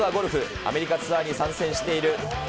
アメリカツアーに参戦している。